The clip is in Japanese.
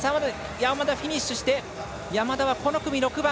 山田、フィニッシュして山田はこの組６番。